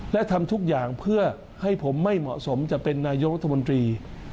และทำทุกอย่างเพื่อให้ผมไม่เหมาะสมจะเป็นนายกรัฐมนตรี